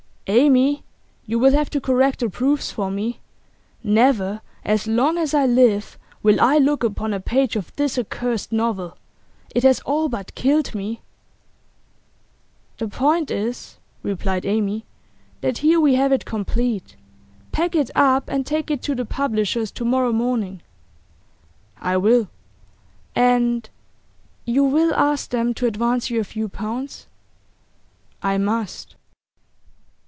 'Amy, you will have to correct the proofs for me. Never as long as I live will I look upon a page of this accursed novel. It has all but killed me.' 'The point is,' replied Amy, 'that here we have it complete. Pack it up and take it to the publishers' to morrow morning.' 'I will.' 'And you will ask them to advance you a few pounds?' 'I must.